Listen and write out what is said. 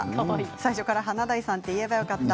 最初から華大さんといえばよかった。